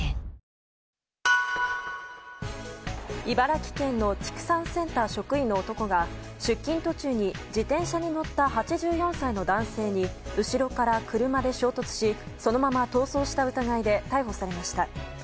茨城県の畜産センター職員の男が出勤途中に自転車に乗った８４歳の男性に後ろから車で衝突しそのまま逃走した疑いで逮捕されました。